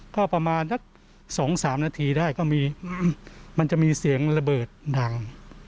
ก็ประมาณสัก๒๓นาทีได้ก็มีมันจะมีเสียงระเบิดดัง